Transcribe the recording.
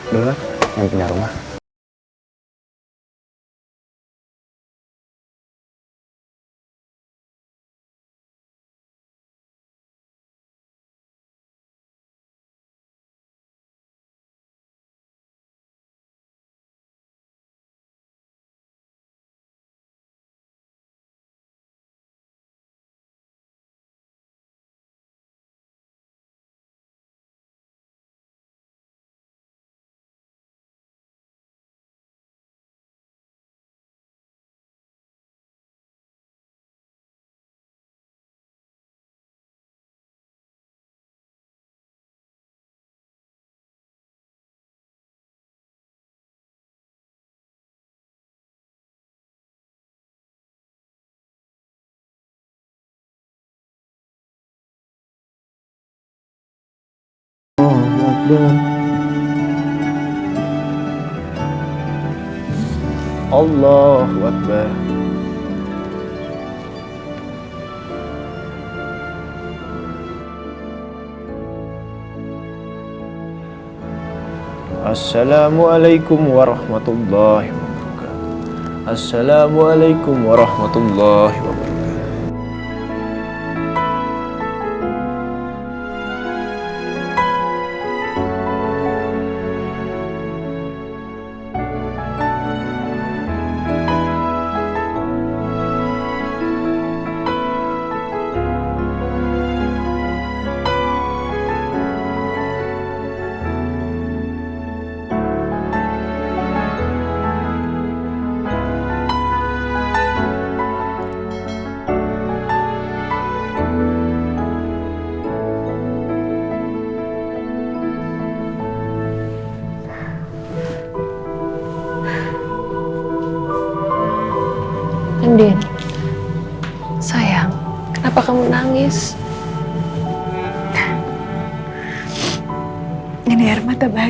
dulu lah nyampingnya rumah